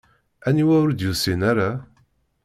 Aniwa ur d-yusin ara?